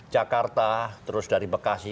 jakarta terus dari bekasi